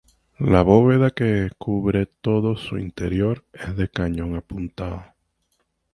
La bóveda que cubre todo su interior es de cañón apuntado.